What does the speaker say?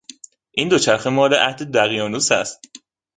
این دوچرخه مال عهد دقیانوس است.